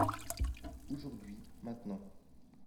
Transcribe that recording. Aujourd'hui/Maintenant.